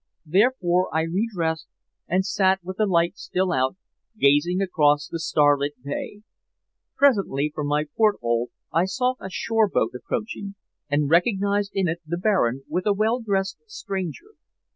Therefore I redressed and sat with the light still out, gazing across the starlit bay. Presently from my port hole I saw a shore boat approaching, and recognized in it the Baron with a well dressed stranger.